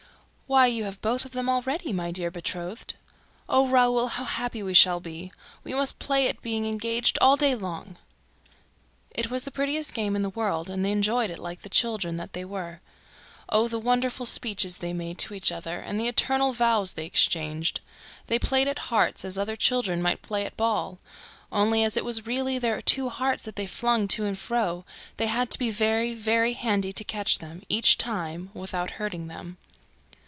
"Why, you have both of them already, my dear betrothed! ... Oh, Raoul, how happy we shall be! ... We must play at being engaged all day long." It was the prettiest game in the world and they enjoyed it like the children that they were. Oh, the wonderful speeches they made to each other and the eternal vows they exchanged! They played at hearts as other children might play at ball; only, as it was really their two hearts that they flung to and fro, they had to be very, very handy to catch them, each time, without hurting them.